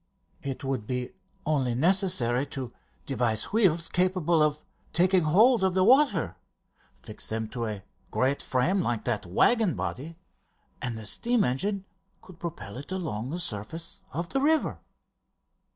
"It would be only necessary to devise wheels capable of taking hold of the water. Fix them to a great frame like that waggon body and the steam engine could propel it along the surface of the river!"